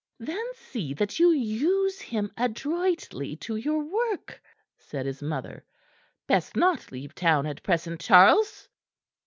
"Then see that you use him adroitly to your work," said his mother. "Best not leave town at present, Charles."